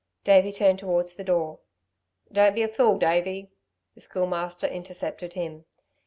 Davey turned towards the door. "Don't be a fool, Davey!" The Schoolmaster intercepted him.